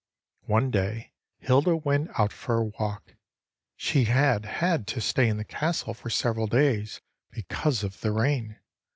One day Hilda went out for a walk. She had had to stay in the castle for several days because of the rain.